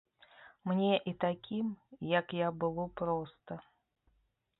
Мне і такім, як я было проста.